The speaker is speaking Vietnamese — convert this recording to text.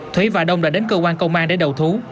thúy và đông đã đến cơ quan công an để đầu thú